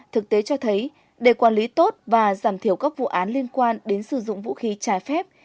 thực tế cho thấy để quản lý tốt và giảm thiểu các vụ án liên quan đến sử dụng vũ khí trái phép